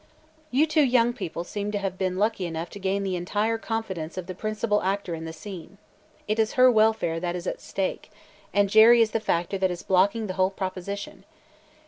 "You two young people seem to have been lucky enough to gain the entire confidence of the principal actor in the scene. It is her welfare that is at stake, and Jerry is the factor that is blocking the whole proposition.